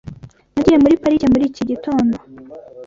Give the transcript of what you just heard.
Nagiye muri parike muri iki gitondo.